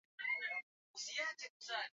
kuiga kile kilicho tendeka katika sudani